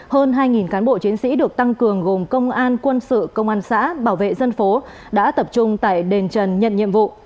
hơn hai cán bộ chiến sĩ được tăng cường gồm công an quân sự công an xã bảo vệ dân phố đã tập trung tại đền trần nhận nhiệm vụ